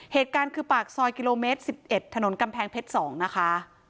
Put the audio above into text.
เหตุการณ์คือปากซอยกิโลเมตร๑๑ถนนกำแพงเพชร๒นะคะ